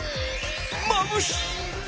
まぶしい！